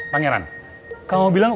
pangeran kamu bilang